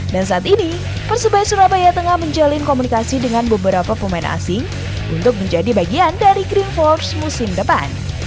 dan saat ini persebaya surabaya tengah menjalin komunikasi dengan beberapa pemain asing untuk menjadi bagian dari green force musim depan